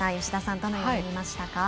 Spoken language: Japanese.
どのように見ましたか。